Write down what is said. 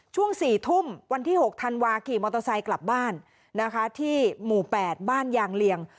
ช่วง๔ทุ่มวันที่๖ธันวาขี่มอเตอร์ไซค์กลับบ้านนะคะที่หมู่๘บ้านยางเลียง